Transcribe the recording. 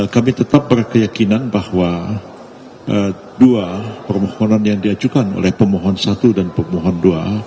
kami tetap berkeyakinan bahwa dua permohonan yang diajukan oleh pemohon satu dan pemohon dua